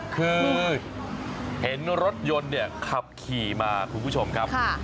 คือเห็นรถยนต์เนี่ยขับขี่มาคุณผู้ชมครับ